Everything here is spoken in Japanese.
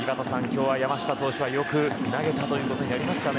今日の山下はよく投げたということになりますか。